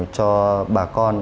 cho bà con